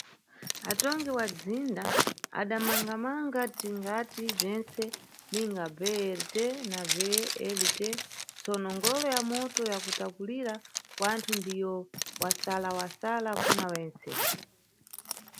Atongi wa nzinda adamangamanga tingati bzwentse, ninga BRT na VLT, tsono ngolo ya moto ya kutakulira wanthu ndiyo wasalawasala kuna wentse.